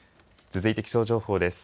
続いて気象情報です。